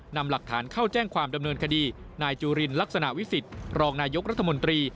นำหลักฐานเข้าแจ้งความดำเนินคดีนายจุลินลักษณะวิสิทธิ์รองนายกรัฐมนตรี